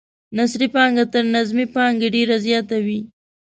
نثري پانګه تر نظمي پانګې ډیره زیاته وي.